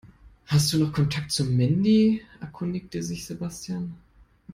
Hast du noch Kontakt zu Mandy?, erkundigte sich Sebastian.